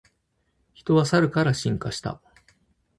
人はサルから進化した